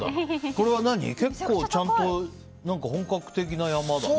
これは結構ちゃんと本格的な山だね。